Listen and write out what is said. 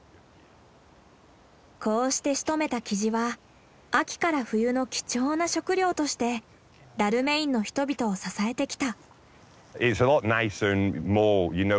こうしてしとめたキジは秋から冬の貴重な食料としてダルメインの人々を支えてきた。